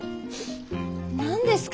何ですか？